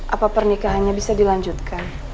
apa pernikahannya bisa dilanjutkan